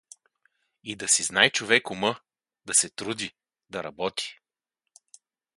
И да си знай човек ума, да се труди, да работи.